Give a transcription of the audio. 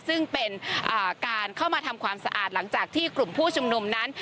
ซึ่งเป็นการเข้ามาทำความสะอาดหลังจากที่กลุ่มผู้ชุมนุมนั้น